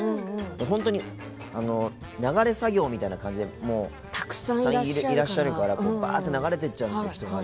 本当に流れ作業みたいにたくさんいらっしゃるから流れてっちゃうんですよ、人が。